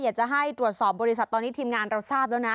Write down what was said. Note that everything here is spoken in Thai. อยากจะให้ตรวจสอบบริษัทตอนนี้ทีมงานเราทราบแล้วนะ